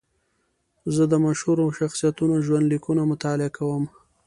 زه د مشهورو شخصیتونو ژوند لیکونه مطالعه کوم.